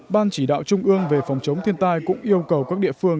ban chỉ đạo trung ương về phòng chống thiên tai cũng yêu cầu các địa phương